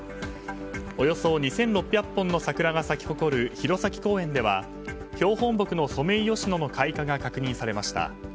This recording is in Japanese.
およそ２６００本の桜が咲き誇る弘前公園では標本木のソメイヨシノの開花が確認されました。